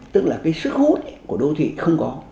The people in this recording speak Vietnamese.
tức là cái sức hút của đô thị không có